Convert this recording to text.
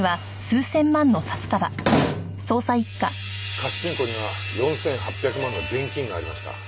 貸金庫には４８００万の現金がありました。